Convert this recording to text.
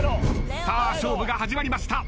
さあ勝負が始まりました。